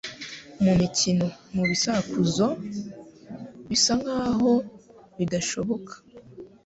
Mu mikino, mu bisakuzo, bisa nkaho bidashoboka;